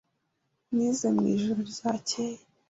Nize mwijoro ryakeye.